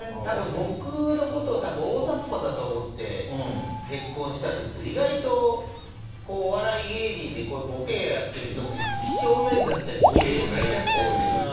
僕のことをおおざっぱだと思って結婚したんですけど意外と、お笑い芸人でボケやってる人って几帳面だったりきれい好きだったりするので。